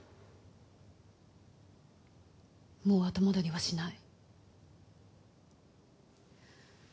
もう後戻りはしない。